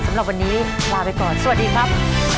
สำหรับวันนี้ลาไปก่อนสวัสดีครับ